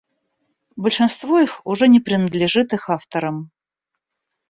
Большинство их уже не принадлежит их авторам.